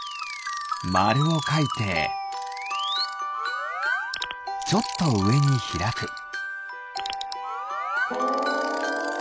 まるをかいてちょっとうえにひらく。